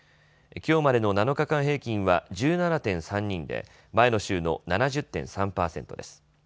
きょうまでの７日間平均は１７．３人で前の週の７０．３％です。